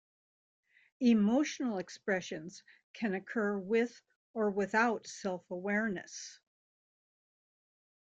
Emotional expressions can occur with or without self-awareness.